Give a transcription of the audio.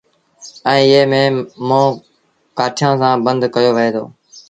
ائيٚݩ مٿي منهن ڪآٺيٚآن سآݩ بند ڪيو وهي دو۔